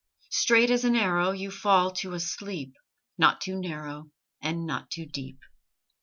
Straight as an arrow You fall to a sleep Not too narrow And not too deep.